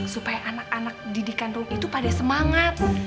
supaya anak anak didikan itu pada semangat